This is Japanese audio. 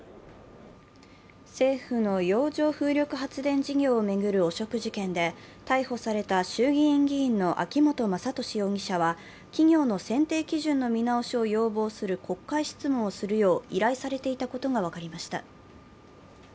政府の洋上風力発電事業を巡る汚職事件で、逮捕された衆議院議員の秋本真利容疑者は企業の選定基準の見直しを要望する国会質問をするよう依頼されていたことが分かりました。